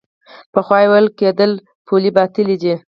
پخوا ویل کېدل پولې باطلې دي.